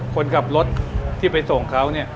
คนกลับรถที่ไปส่งเขา